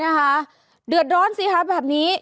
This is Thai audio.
เนี่ยค่ะเดือดร้อนสิค่ะแบบนี้